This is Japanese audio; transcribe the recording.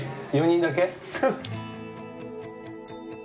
４人だけ？